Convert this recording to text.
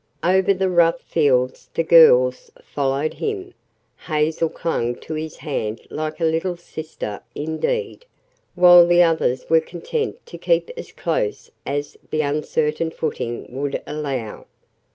Over the rough fields the girls followed him. Hazel clung to his hand like a little sister indeed, while the others were content to keep as close as the uncertain footing would allow.